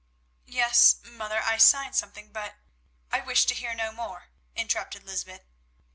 "Yes, mother, I signed something, but——" "I wish to hear no more," interrupted Lysbeth.